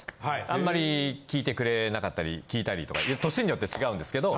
あんまり聞いてくれなかったり聞いたりとか年によって違うんですけど。